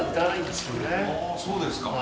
そうですか。